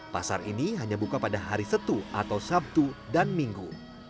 pasar ini hanya buka pada hari setu atau sabtu dan minggu